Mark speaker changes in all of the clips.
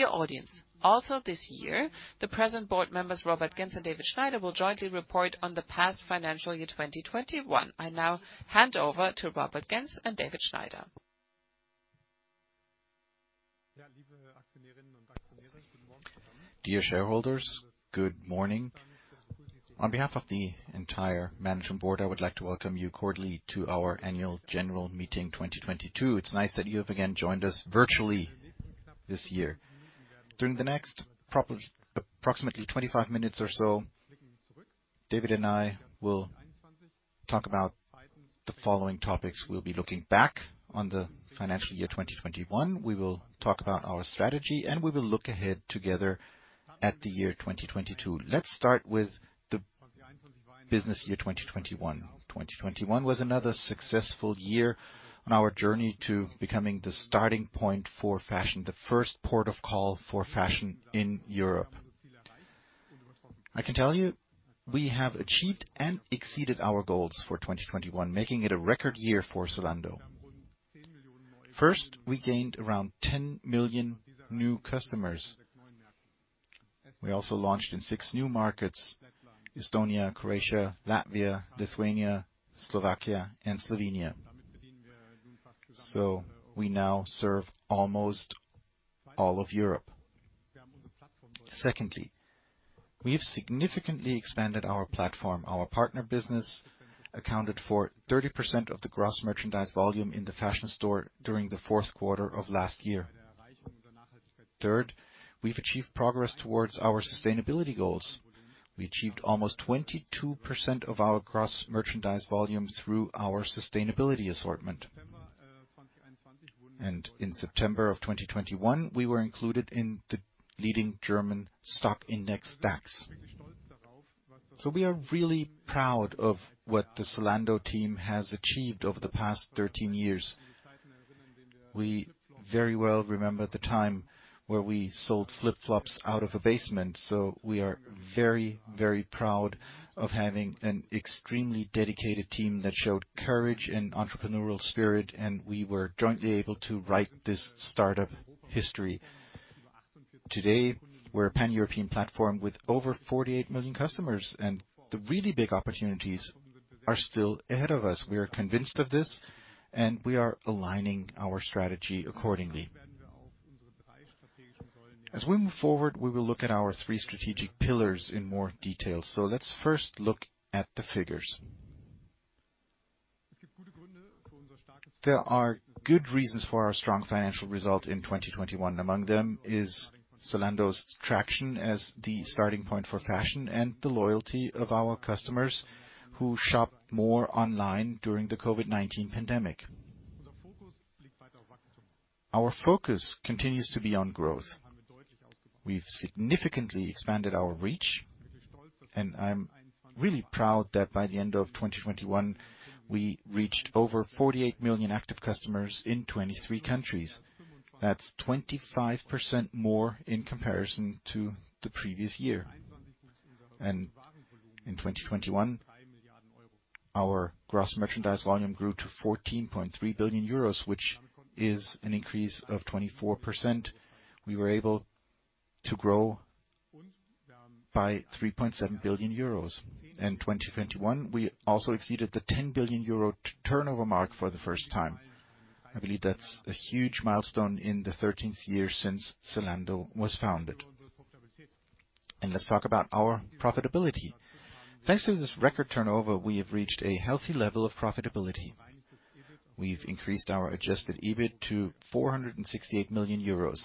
Speaker 1: Dear audience, also this year, the present board members, Robert Gentz and David Schneider, will jointly report on the past financial year 2021. I now hand over to Robert Gentz and David Schneider.
Speaker 2: Dear shareholders, good morning. On behalf of the entire management board, I would like to welcome you cordially to our annual general meeting 2022. It's nice that you have again joined us virtually this year. During the next approximately 25 minutes or so, David and I will talk about the following topics. We'll be looking back on the financial year 2021. We will talk about our strategy, and we will look ahead together at the year 2022. Let's start with the business year 2021. 2021 was another successful year on our journey to becoming the starting point for fashion, the first port of call for fashion in Europe. I can tell you, we have achieved and exceeded our goals for 2021, making it a record year for Zalando. First, we gained around 10 million new customers. We also launched in six new markets: Estonia, Croatia, Latvia, Lithuania, Slovakia, and Slovenia. We now serve almost all of Europe. Secondly, we have significantly expanded our platform. Our partner business accounted for 30% of the gross merchandise volume in the fashion store during the fourth quarter of last year. Third, we've achieved progress towards our sustainability goals. We achieved almost 22% of our gross merchandise volume through our sustainability assortment. In September of 2021, we were included in the leading German stock index DAX. We are really proud of what the Zalando team has achieved over the past 13 years. We very well remember the time where we sold flip-flops out of a basement, so we are very, very proud of having an extremely dedicated team that showed courage and entrepreneurial spirit, and we were jointly able to write this startup history. Today, we're a pan-European platform with over 48 million customers, and the really big opportunities are still ahead of us. We are convinced of this, and we are aligning our strategy accordingly. As we move forward, we will look at our three strategic pillars in more detail. Let's first look at the figures. There are good reasons for our strong financial result in 2021. Among them is Zalando's traction as the starting point for fashion and the loyalty of our customers, who shopped more online during the COVID-19 pandemic. Our focus continues to be on growth. We've significantly expanded our reach, and I'm really proud that by the end of 2021, we reached over 48 million active customers in 23 countries. That's 25% more in comparison to the previous year. In 2021, our gross merchandise volume grew to 14.3 billion euros, which is an increase of 24%. We were able to grow by 3.7 billion euros. In 2021, we also exceeded the 10 billion euro turnover mark for the first time. I believe that's a huge milestone in the 13th year since Zalando was founded. Let's talk about our profitability. Thanks to this record turnover, we have reached a healthy level of profitability. We've increased our adjusted EBIT to 468 million euros.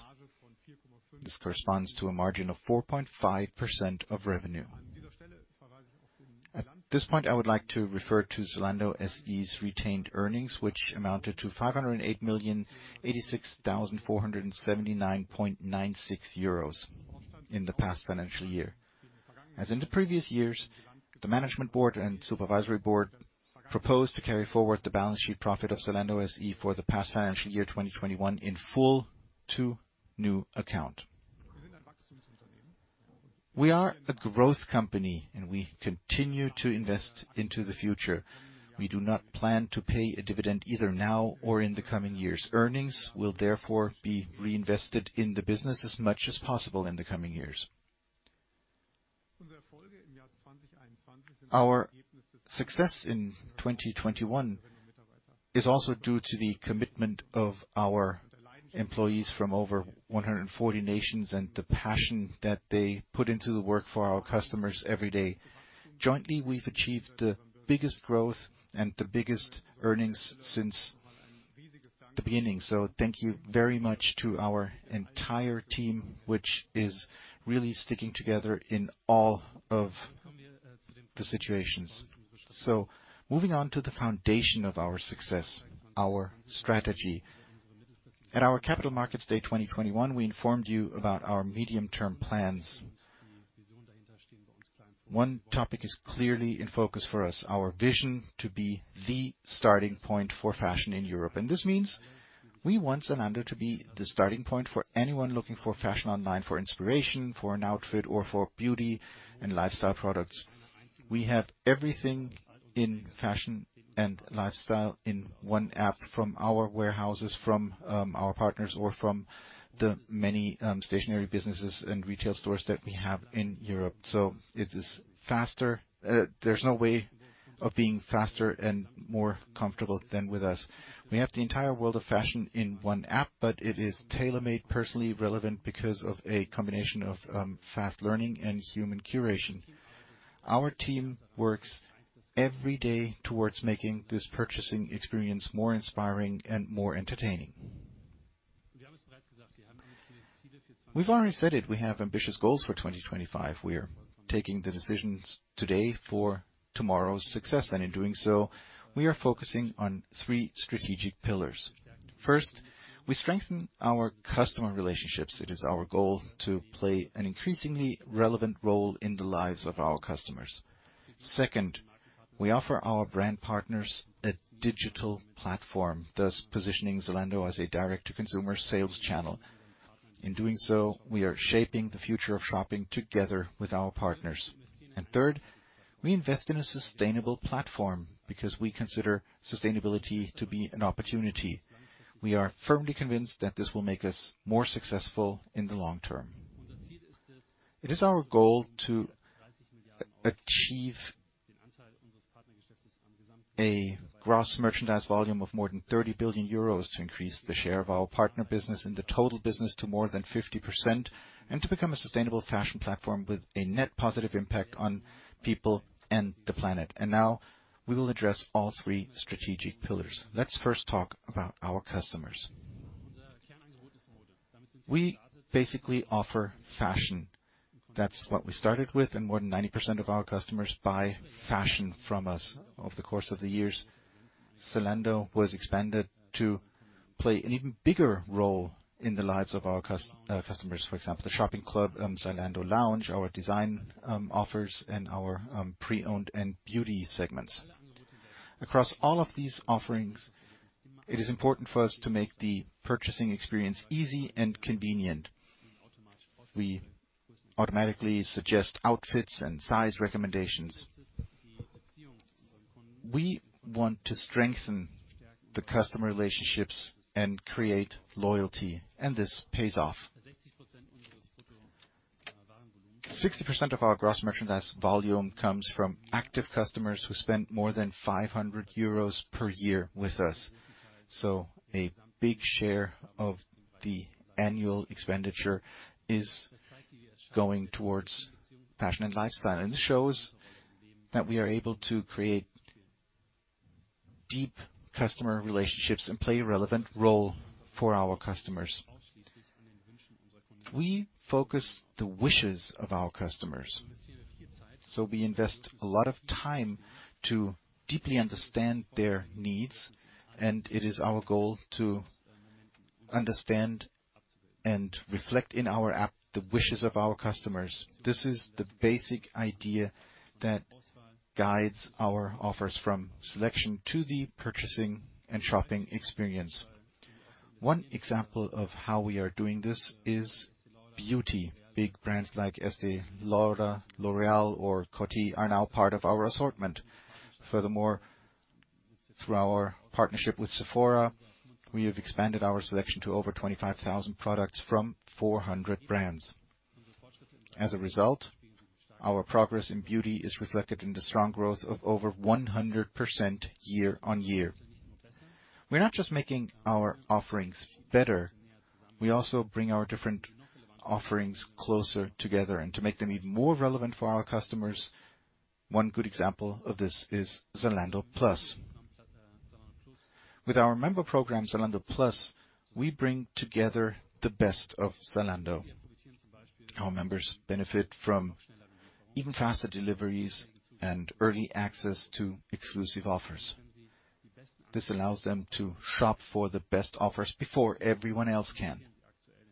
Speaker 2: This corresponds to a margin of 4.5% of revenue. At this point, I would like to refer to Zalando SE's retained earnings, which amounted to 508,086,479.96 euros in the past financial year. As in the previous years, the management board and supervisory board proposed to carry forward the balance sheet profit of Zalando SE for the past financial year, 2021, in full to new account. We are a growth company, and we continue to invest into the future. We do not plan to pay a dividend either now or in the coming years. Earnings will therefore be reinvested in the business as much as possible in the coming years. Our success in 2021 is also due to the commitment of our employees from over 140 nations and the passion that they put into the work for our customers every day. Jointly, we've achieved the biggest growth and the biggest earnings since the beginning. Thank you very much to our entire team, which is really sticking together in all of the situations. Moving on to the foundation of our success, our strategy. At our Capital Markets Day 2021, we informed you about our medium-term plans. One topic is clearly in focus for us, our vision to be the starting point for fashion in Europe. This means we want Zalando to be the starting point for anyone looking for fashion online, for inspiration, for an outfit, or for beauty and lifestyle products. We have everything in fashion and lifestyle in one app from our warehouses, from our partners or from the many stationary businesses and retail stores that we have in Europe. It is faster. There's no way of being faster and more comfortable than with us. We have the entire world of fashion in one app, but it is tailor-made, personally relevant because of a combination of fast learning and human curation. Our team works every day towards making this purchasing experience more inspiring and more entertaining. We've already said it. We have ambitious goals for 2025. We're taking the decisions today for tomorrow's success, and in doing so, we are focusing on three strategic pillars. First, we strengthen our customer relationships. It is our goal to play an increasingly relevant role in the lives of our customers. Second, we offer our brand partners a digital platform, thus positioning Zalando as a direct-to-consumer sales channel. In doing so, we are shaping the future of shopping together with our partners. Third, we invest in a sustainable platform because we consider sustainability to be an opportunity. We are firmly convinced that this will make us more successful in the long term. It is our goal to achieve a gross merchandise volume of more than 30 billion euros to increase the share of our partner business and the total business to more than 50% and to become a sustainable fashion platform with a net positive impact on people and the planet. Now we will address all three strategic pillars. Let's first talk about our customers. We basically offer fashion. That's what we started with, and more than 90% of our customers buy fashion from us. Over the course of the years, Zalando was expanded to play an even bigger role in the lives of our customers. For example, the shopping club, Zalando Lounge, our design offers and our pre-owned and beauty segments. Across all of these offerings, it is important for us to make the purchasing experience easy and convenient. We automatically suggest outfits and size recommendations. We want to strengthen the customer relationships and create loyalty, and this pays off. 60% of our gross merchandise volume comes from active customers who spend more than 500 euros per year with us. A big share of the annual expenditure is going towards fashion and lifestyle. This shows that we are able to create deep customer relationships and play a relevant role for our customers. We focus the wishes of our customers. We invest a lot of time to deeply understand their needs, and it is our goal to understand and reflect in our app the wishes of our customers. This is the basic idea that guides our offers from selection to the purchasing and shopping experience. One example of how we are doing this is beauty. Big brands like Estée Lauder, L'Oréal or Coty are now part of our assortment. Furthermore, through our partnership with Sephora, we have expanded our selection to over 25,000 products from 400 brands. As a result, our progress in beauty is reflected in the strong growth of over 100% year-on-year. We're not just making our offerings better. We also bring our different offerings closer together and to make them even more relevant for our customers. One good example of this is Zalando Plus. With our member program, Zalando Plus, we bring together the best of Zalando. Our members benefit from even faster deliveries and early access to exclusive offers. This allows them to shop for the best offers before everyone else can.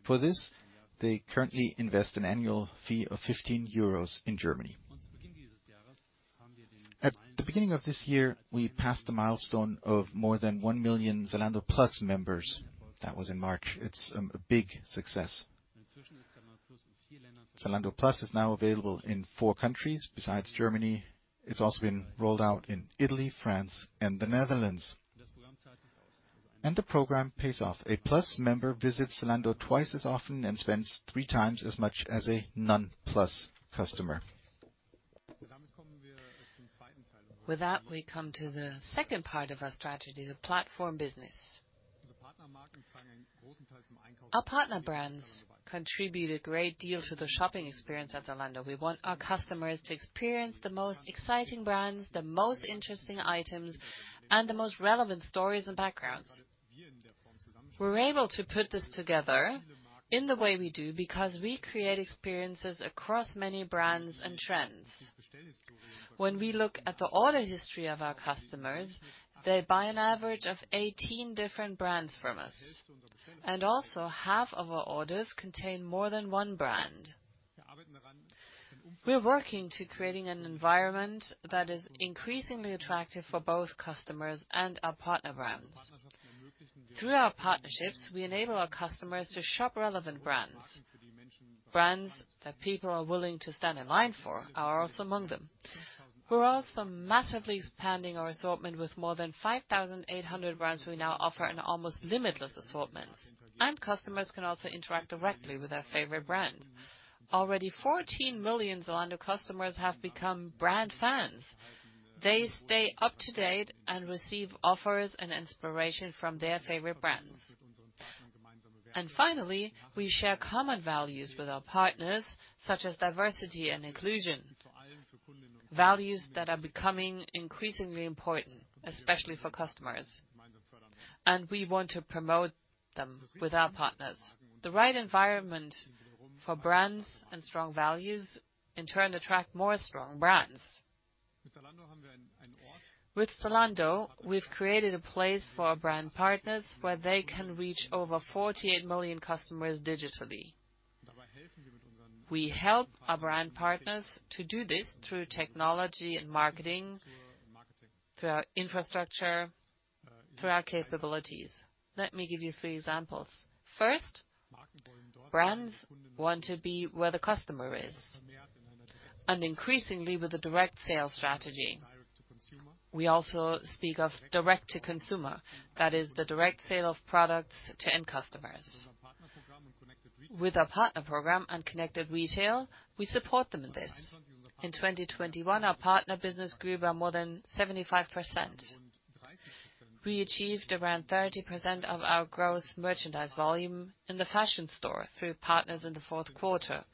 Speaker 2: For this, they currently invest an annual fee of 15 euros in Germany. At the beginning of this year, we passed a milestone of more than 1 million Zalando Plus members. That was in March. It's a big success. Zalando Plus is now available in four countries. Besides Germany, it's also been rolled out in Italy, France, and the Netherlands. The program pays off. A Plus member visits Zalando twice as often and spends 3x as much as a non-Plus customer.
Speaker 3: With that, we come to the second part of our strategy, the platform business. Our partner brands contribute a great deal to the shopping experience at Zalando. We want our customers to experience the most exciting brands, the most interesting items, and the most relevant stories and backgrounds. We're able to put this together in the way we do because we create experiences across many brands and trends. When we look at the order history of our customers, they buy an average of 18 different brands from us. And also, half of our orders contain more than one brand. We're working to creating an environment that is increasingly attractive for both customers and our partner brands. Through our partnerships, we enable our customers to shop relevant brands. Brands that people are willing to stand in line for are also among them. We're also massively expanding our assortment with more than 5,800 brands, we now offer an almost limitless assortment. Customers can also interact directly with their favorite brand. Already 14 million Zalando customers have become brand fans. They stay up to date and receive offers and inspiration from their favorite brands. Finally, we share common values with our partners, such as diversity and inclusion. Values that are becoming increasingly important, especially for customers. We want to promote them with our partners. The right environment for brands and strong values in turn attract more strong brands. With Zalando, we've created a place for our brand partners where they can reach over 48 million customers digitally. We help our brand partners to do this through technology and marketing, through our infrastructure, through our capabilities. Let me give you three examples. First, brands want to be where the customer is, and increasingly with a direct sales strategy. We also speak of direct-to-consumer. That is the direct sale of products to end customers. With our partner program and Connected Retail, we support them in this. In 2021, our partner business grew by more than 75%. We achieved around 30% of our gross merchandise volume in the fashion store through partners in the fourth quarter.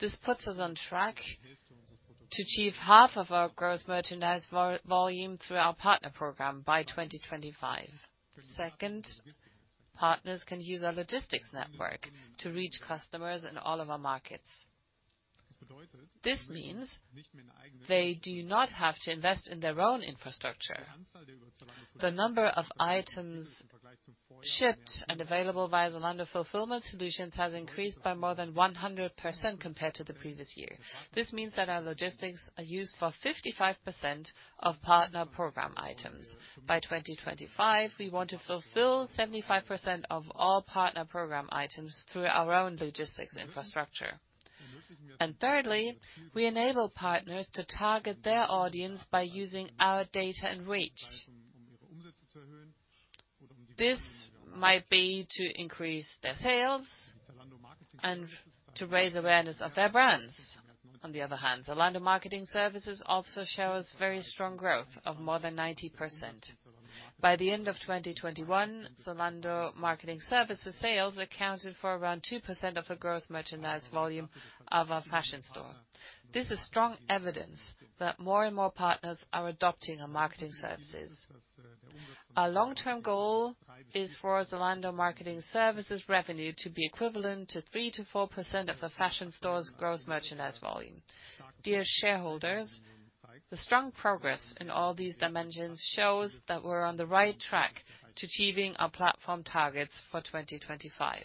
Speaker 3: This puts us on track to achieve half of our gross merchandise volume through our partner program by 2025. Second, partners can use our logistics network to reach customers in all of our markets. This means they do not have to invest in their own infrastructure. The number of items shipped and available via Zalando Fulfillment Solutions has increased by more than 100% compared to the previous year. This means that our logistics are used for 55% of partner program items. By 2025, we want to fulfill 75% of all partner program items through our own logistics infrastructure. Thirdly, we enable partners to target their audience by using our data and reach. This might be to increase their sales and to raise awareness of their brands. On the other hand, Zalando Marketing Services also shows very strong growth of more than 90%. By the end of 2021, Zalando Marketing Services sales accounted for around 2% of the gross merchandise volume of our fashion store. This is strong evidence that more and more partners are adopting our marketing services. Our long-term goal is for Zalando Marketing Services revenue to be equivalent to 3%-4% of the fashion store's gross merchandise volume. Dear shareholders, the strong progress in all these dimensions shows that we're on the right track to achieving our platform targets for 2025.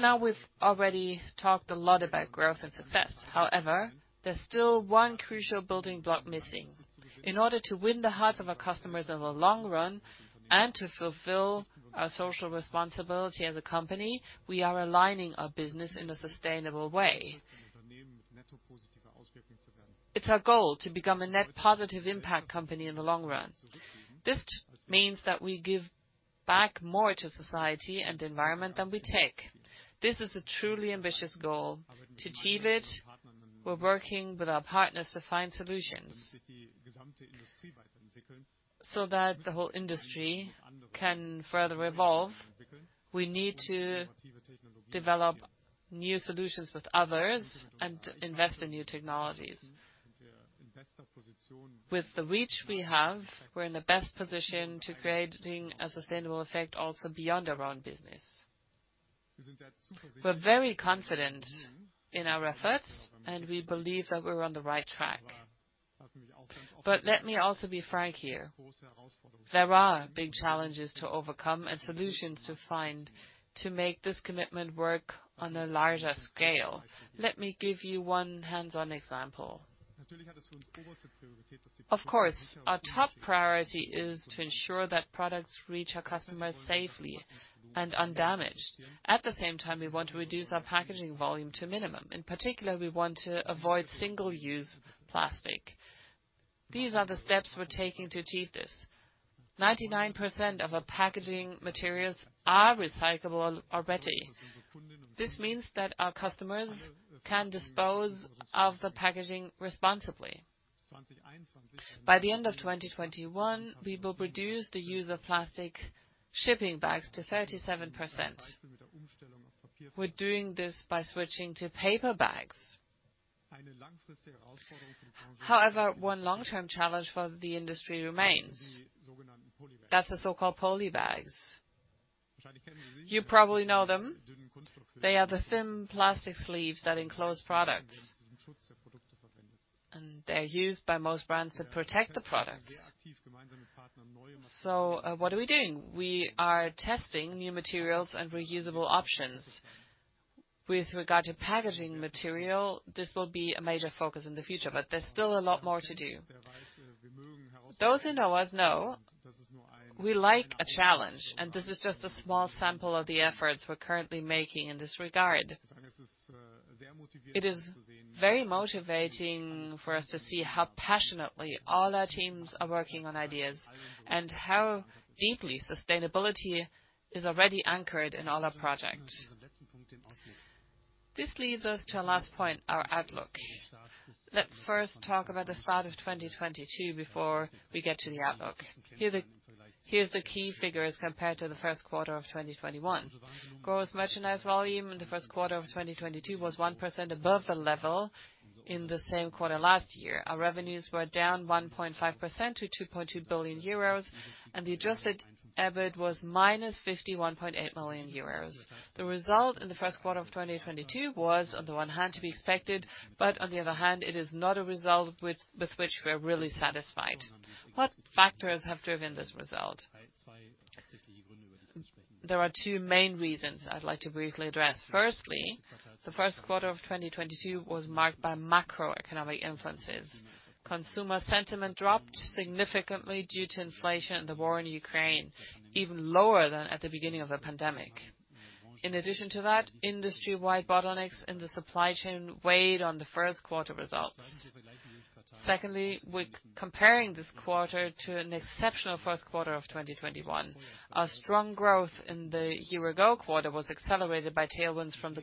Speaker 3: Now we've already talked a lot about growth and success. However, there's still one crucial building block missing. In order to win the hearts of our customers in the long run and to fulfill our social responsibility as a company, we are aligning our business in a sustainable way. It's our goal to become a net positive impact company in the long run. This means that we give back more to society and the environment than we take. This is a truly ambitious goal. To achieve it, we're working with our partners to find solutions. So that the whole industry can further evolve, we need to develop new solutions with others and invest in new technologies. With the reach we have, we're in the best position to create a sustainable effect also beyond our own business. We're very confident in our efforts, and we believe that we're on the right track. Let me also be frank here. There are big challenges to overcome and solutions to find to make this commitment work on a larger scale. Let me give you one hands-on example. Of course, our top priority is to ensure that products reach our customers safely and undamaged. At the same time, we want to reduce our packaging volume to a minimum. In particular, we want to avoid single-use plastic. These are the steps we're taking to achieve this. 99% of our packaging materials are recyclable already. This means that our customers can dispose of the packaging responsibly. By the end of 2021, we will reduce the use of plastic shipping bags to 37%. We're doing this by switching to paper bags. However, one long-term challenge for the industry remains. That's the so-called poly bags. You probably know them. They are the thin plastic sleeves that enclose products. They're used by most brands that protect the products. What are we doing? We are testing new materials and reusable options. With regard to packaging material, this will be a major focus in the future, but there's still a lot more to do. Those who know us know we like a challenge, and this is just a small sample of the efforts we're currently making in this regard. It is very motivating for us to see how passionately all our teams are working on ideas and how deeply sustainability is already anchored in all our projects. This leads us to our last point, our outlook. Let's first talk about the start of 2022 before we get to the outlook. Here's the key figures compared to the first quarter of 2021. Gross merchandise volume in the first quarter of 2022 was 1% above the level in the same quarter last year. Our revenues were down 1.5% to 2.2 billion euros, and the adjusted EBIT was -51.8 million euros. The result in the first quarter of 2022 was, on the one hand, to be expected, but on the other hand, it is not a result with which we are really satisfied. What factors have driven this result? There are two main reasons I'd like to briefly address. Firstly, the first quarter of 2022 was marked by macroeconomic influences. Consumer sentiment dropped significantly due to inflation and the war in Ukraine, even lower than at the beginning of the pandemic. In addition to that, industry-wide bottlenecks in the supply chain weighed on the first quarter results. Secondly, we're comparing this quarter to an exceptional first quarter of 2021. Our strong growth in the year-ago quarter was accelerated by tailwinds from the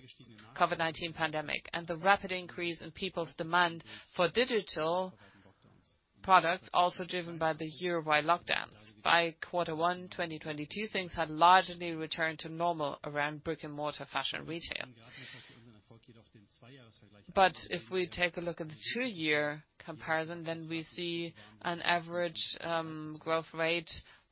Speaker 3: COVID-19 pandemic and the rapid increase in people's demand for digital products, also driven by the year-wide lockdowns. By quarter one, 2022, things had largely returned to normal around brick-and-mortar fashion retail. But if we take a look at the two-year comparison, then we see an average growth rate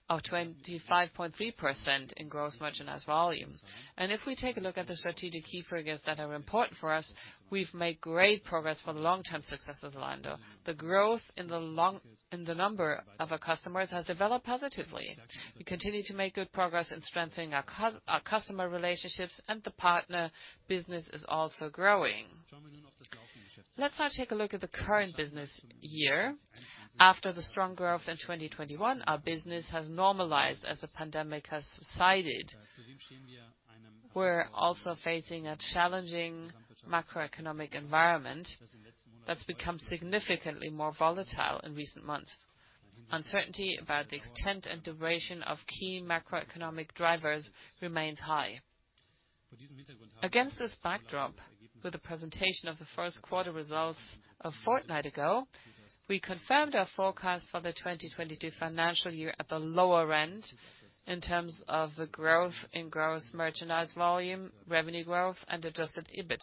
Speaker 3: of 25.3% in gross merchandise volume. If we take a look at the strategic key figures that are important for us, we've made great progress for the long-term success of Zalando. The growth in the number of our customers has developed positively. We continue to make good progress in strengthening our customer relationships, and the partner business is also growing. Let's now take a look at the current business year. After the strong growth in 2021, our business has normalized as the pandemic has subsided. We're also facing a challenging macroeconomic environment that's become significantly more volatile in recent months. Uncertainty about the extent and duration of key macroeconomic drivers remains high. Against this backdrop, with the presentation of the first quarter results a fortnight ago, we confirmed our forecast for the 2022 financial year at the lower end in terms of the growth in gross merchandise volume, revenue growth, and adjusted EBIT.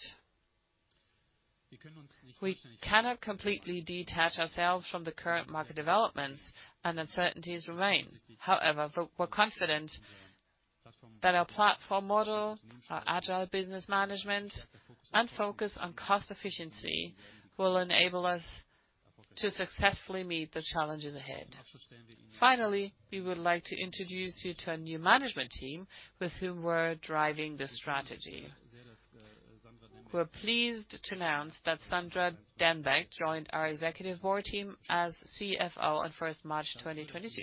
Speaker 3: We cannot completely detach ourselves from the current market developments and uncertainties remain. However, we're confident that our platform model, our agile business management, and focus on cost efficiency will enable us to successfully meet the challenges ahead. Finally, we would like to introduce you to a new management team with whom we're driving this strategy. We're pleased to announce that Sandra Dembeck joined our executive board team as CFO on March 1st, 2022.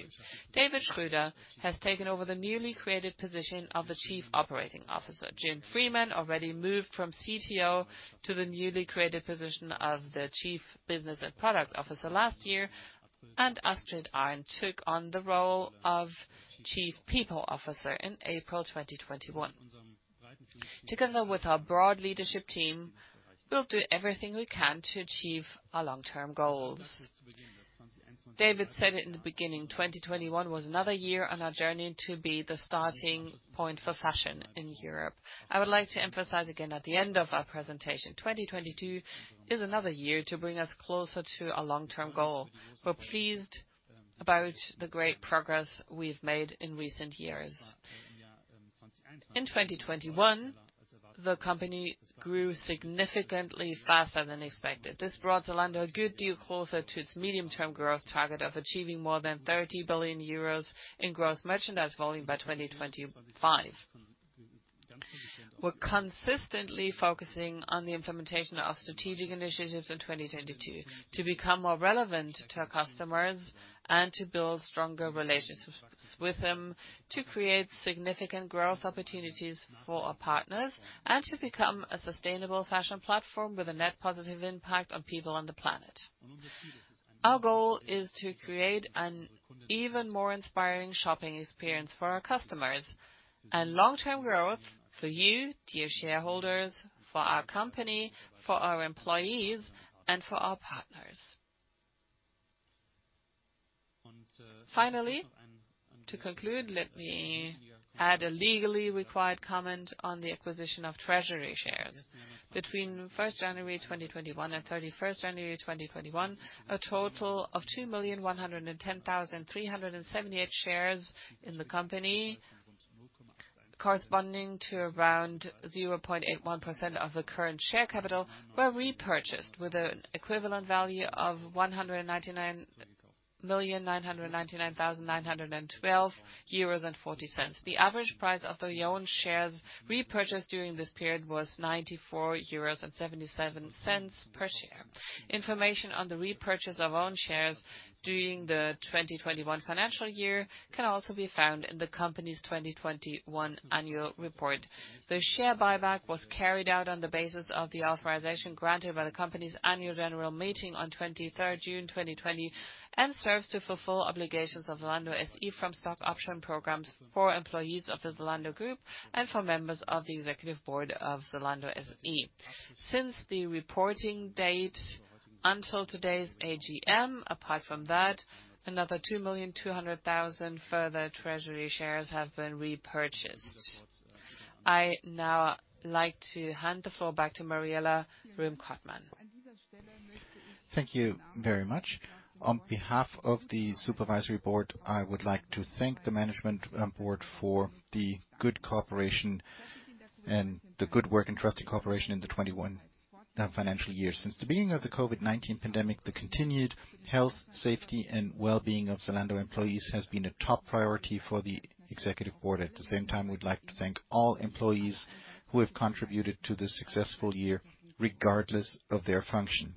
Speaker 3: David Schröder has taken over the newly created position of the Chief Operating Officer. Jim Freeman already moved from CTO to the newly created position of the Chief Business and Product Officer last year. Astrid Arndt took on the role of Chief People Officer in April 2021. Together with our broad leadership team, we'll do everything we can to achieve our long-term goals. David said it in the beginning, 2021 was another year on our journey to be the starting point for fashion in Europe. I would like to emphasize again at the end of our presentation, 2022 is another year to bring us closer to our long-term goal. We're pleased about the great progress we've made in recent years. In 2021, the company grew significantly faster than expected. This brought Zalando a good deal closer to its medium-term growth target of achieving more than 30 billion euros in gross merchandise volume by 2025. We're consistently focusing on the implementation of strategic initiatives in 2022 to become more relevant to our customers and to build stronger relationships with them, to create significant growth opportunities for our partners, and to become a sustainable fashion platform with a net positive impact on people on the planet. Our goal is to create an even more inspiring shopping experience for our customers and long-term growth for you, dear shareholders, for our company, for our employees, and for our partners. Finally, to conclude, let me add a legally required comment on the acquisition of treasury shares. Between January 1st, 2021, and January 31st, 2021, a total of 2,110,378 shares in the company, corresponding to around 0.81% of the current share capital, were repurchased with an equivalent value of 199,999,912.40 euros. The average price of the own shares repurchased during this period was 94.77 euros per share. Information on the repurchase of own shares during the 2021 financial year can also be found in the company's 2021 annual report. The share buyback was carried out on the basis of the authorization granted by the company's annual general meeting on June 23rd, 2020, and serves to fulfill obligations of Zalando SE from stock option programs for employees of the Zalando group and for members of the executive board of Zalando SE. Since the reporting date until today's AGM, apart from that, another 2,200,000 further treasury shares have been repurchased. I'd now like to hand the floor back to Mariella Röhm-Kottmann.
Speaker 1: Thank you very much. On behalf of the supervisory board, I would like to thank the management board for the good cooperation and the good work and trusted cooperation in the 2021 financial year. Since the beginning of the COVID-19 pandemic, the continued health, safety, and well-being of Zalando employees has been a top priority for the executive board. At the same time, we'd like to thank all employees who have contributed to this successful year, regardless of their function.